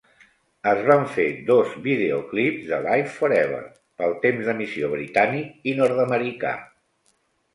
Es van fer dos videoclips de "Live Forever" pel temps d'emissió britànic i nord-americà.